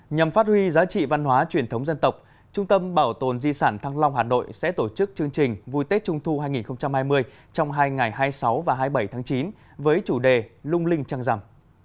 nhằm phát huy giá trị văn hóa truyền thống dân tộc trung tâm bảo tồn di sản thăng long hà nội sẽ tổ chức chương trình vui tết trung thu hai nghìn hai mươi trong hai ngày hai mươi sáu và hai mươi bảy tháng chín với chủ đề lung linh trăng rằm